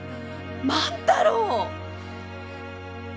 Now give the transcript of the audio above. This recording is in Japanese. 万太郎！